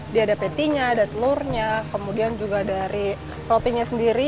dia ada patty nya ada telurnya kemudian juga dari rotinya sendiri